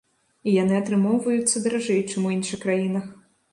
І яны атрымоўваюцца даражэй, чым у іншых краінах.